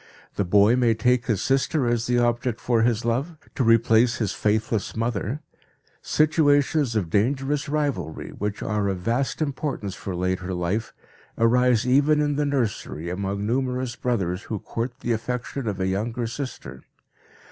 The boy may take his sister as the object for his love, to replace his faithless mother; situations of dangerous rivalry, which are of vast importance for later life, arise even in the nursery among numerous brothers who court the affection of a younger sister.